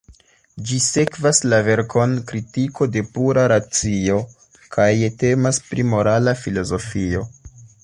Ĝi sekvas la verkon "Kritiko de Pura Racio" kaj temas pri morala filozofio.